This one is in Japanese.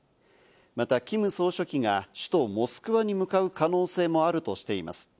またキム総書記が首都・モスクワに向かう可能性もあるとしています。